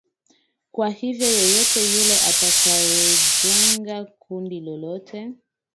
kwa hivo yeyote ule atakaejenga kundi lolote